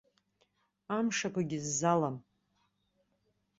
Амш акгьы ззалам.